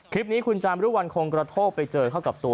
คลิปนี้คุณจามรุวันคงกระโทกไปเจอเข้ากับตัว